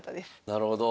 なるほど。